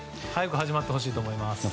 早く始まってほしいと思います。